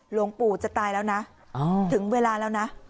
หลวงปู่จะตายแล้วนะถึงเวลาแล้วนะ